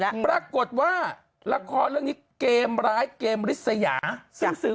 ล่ะปรากฏว่าลักษณ์เรื่องนี้เกมร้ายเกมฤษยาซึ่งสื่อ